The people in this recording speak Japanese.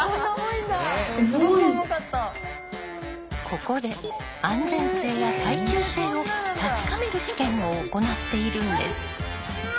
ここで安全性や耐久性を確かめる試験を行っているんです。